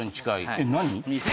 えっ何？